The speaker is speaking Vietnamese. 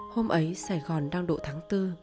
hôm ấy sài gòn đang độ tháng tư